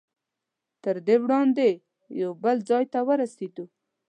تر دې وړاندې یو بل ځای ته ورسېدو.